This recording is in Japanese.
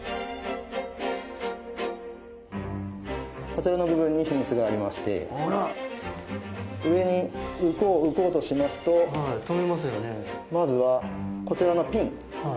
こちらの部分に秘密がありまして上に、浮こう浮こうとしますとまずは、こちらのピン。